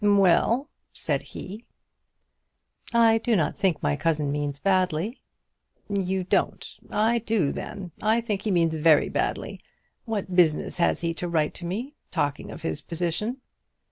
"Well," said he. "I do not think my cousin means badly." "You don't! I do, then. I think he means very badly. What business has he to write to me, talking of his position?"